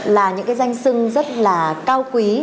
là những cái danh sưng rất là cao quý